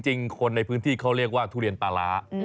คนในพื้นที่เขาเรียกว่าทุเรียนปลาร้า